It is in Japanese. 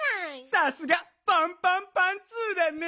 さすがパンパンパンツーだね！